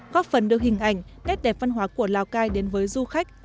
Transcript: góp phần được hình ảnh kết đẹp văn hóa của lào cai đến với du khách